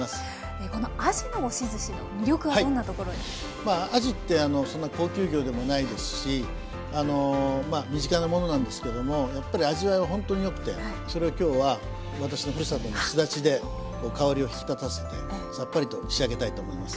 まああじってそんな高級魚でもないですし身近なものなんですけどもやっぱり味わいはほんとに良くてそれを今日は私のふるさとのすだちで香りを引き立たせてさっぱりと仕上げたいと思います。